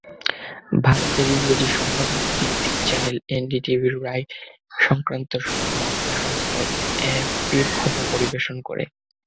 ভারতের ইংরেজি সংবাদভিত্তিক channel NDTV রায়-সংক্রান্ত বার্তা সংস্থা এএফপির খবর পরিবেশন করে।